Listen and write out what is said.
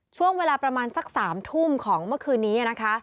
ช่วงเวลาประมาณสัก๓ทุ่มของเมื่อคืนนี้นะคะ